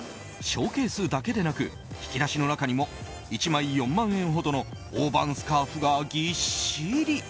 ショーケースだけでなく引き出しの中にも１枚４万円ほどの大判スカーフがぎっしり。